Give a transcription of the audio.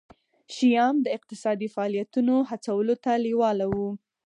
شیام د اقتصادي فعالیتونو هڅولو ته لېواله وو.